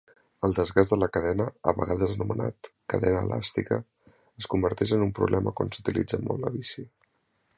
El desgast de la cadena, a vegades anomenat "cadena elàstica", es converteix en un problema quan s'utilitza molt la bici.